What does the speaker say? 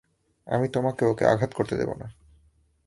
আমি তোমাকে ওকে আঘাত করতে দেবো না।